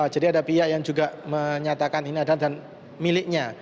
jadi ada pihak yang juga menyatakan ini adalah miliknya